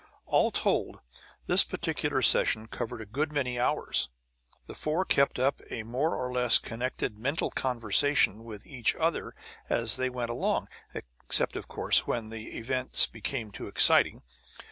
All told, this particular session covered a good many hours. The four kept up a more or less connected mental conversation with each other as they went along, except, of course, when the events became too exciting.